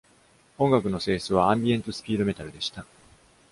音楽の性質は、アンビエントスピードメタルでした。